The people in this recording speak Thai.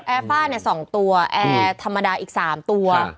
แอร์ฝ้าเนี่ย๒ตัวแอร์ธรรมดาอีก๓ตัว